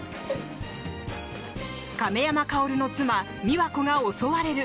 亀山薫の妻・美和子が襲われる！